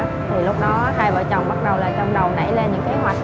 thì lúc đó hai vợ chồng bắt đầu là trong đầu đẩy lên những kế hoạch